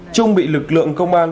trung bị lực lượng công an